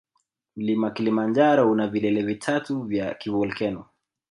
Mlima kilimanjaro una vilele vitatu vya kivolkeno